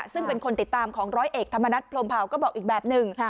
ซึ่งเป็นคนติดตามของร้อยเอกธรรมนัฐพรมเผาก็บอกอีกแบบหนึ่ง